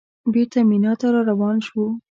بېرته مینا ته راروان شوو.